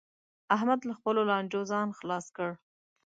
احمد له خپلو لانجو ځان خلاص کړ